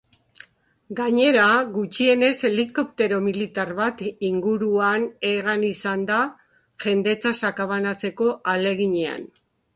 Gainera, gutxienez helikoptero militar bat inguruan hegan izan da jendetza sakabanatzeko ahaleginean.